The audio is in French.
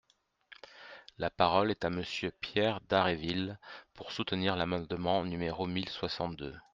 La parole est à Monsieur Pierre Dharréville, pour soutenir l’amendement numéro mille soixante-deux.